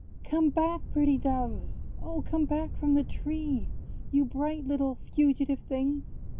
Come back, pretty Doves! O, come back from the tree. You bright little fugitive things!